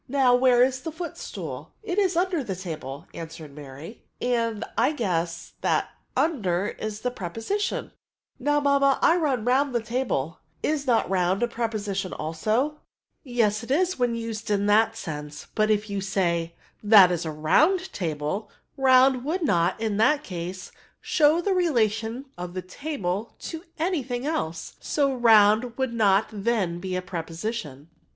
" Now, where is the footstool ?"It is under the table," answered Mary ; 92 PREPOSmONfl* " and I guess ' That under is a preposition* Now, mamma, I run round the table ;' is not round a preposition also ?"Yes it is, when used in that sense ; but if you said, * That is a round table/ round would not, in that ca^e, show the relation of the table to any thing else ; so round would not then be a preposition.